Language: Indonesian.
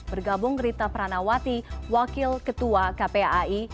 bergabung rita pranawati wakil ketua kpai